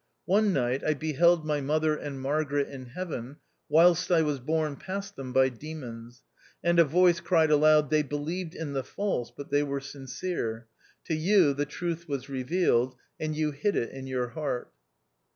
One night I beheld my mother and Margaret in heaven, whilst I was borne past them by demons, and a voice cried aloud, " They believed in the false, but they were sincere. To you the truth was revealed, and you hid it in your heart."